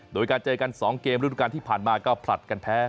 โดยการเจอกัน๒เกมฤดูการที่ผ่านมาก็ผลัดกันแพ้